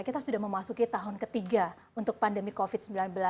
kita sudah memasuki tahun ketiga untuk pandemi covid sembilan belas